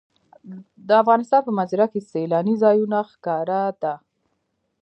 د افغانستان په منظره کې سیلانی ځایونه ښکاره ده.